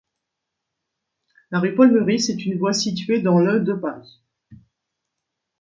La rue Paul-Meurice est une voie située dans le de Paris.